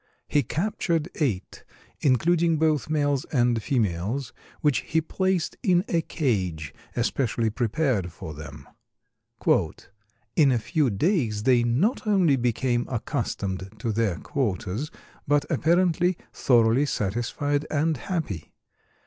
He captured eight, including both males and females, which he placed in a cage especially prepared for them. "In a few days they not only became accustomed to their quarters, but apparently thoroughly satisfied and happy.